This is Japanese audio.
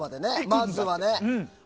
まずはね。